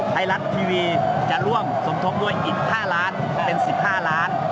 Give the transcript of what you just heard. ไทยรัฐทีวีจะร่วมสมทบด้วยอีก๕ล้านเป็น๑๕ล้าน